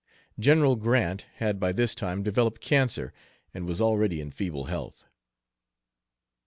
General Grant had by this time developed cancer and was already in feeble health.